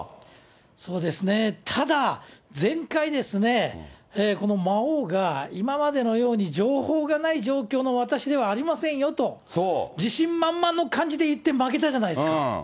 そうですね、ただ、前回ですね、魔王が今までのように情報がない状況の私ではありませんよと、自信満々の感じでいって負けたじゃないですか。